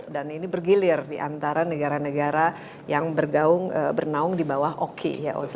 dan ini bergilir di antara negara negara yang bernaung di bawah oki